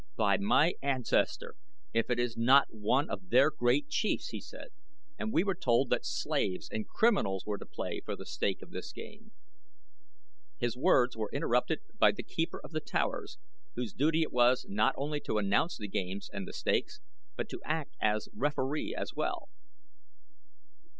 "By my first ancestor if it is not one of their great chiefs," he said, "and we were told that slaves and criminals were to play for the stake of this game." His words were interrupted by the keeper of The Towers whose duty it was not only to announce the games and the stakes, but to act as referee as well.